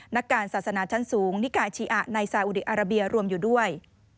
นักการศาสนาชั้นสูงนิกายชีอะในซาอุดีอาราเบียรวมอยู่ด้วย